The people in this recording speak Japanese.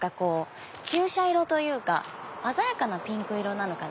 フューシャ色というか鮮やかなピンク色なのかな。